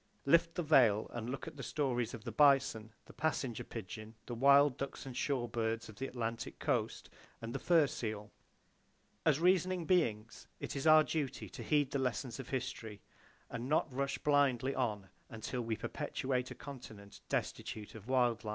Lift the veil and look at the stories of the bison, the passenger pigeon, the wild ducks and shore birds of the Atlantic coast, and the fur seal. SHALL WE LEAVE ANY ONE OF THEM OPEN? As reasoning beings, it is our duty to heed the lessons of history, and not rush blindly on until we perpetrate a continent destitute of wild life.